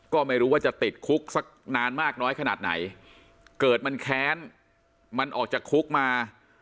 ก็ไม่รู้ว่าจะติดคุกสักนานมากน้อยขนาดไหนเกิดมันแค้นมันออกจากคุกมา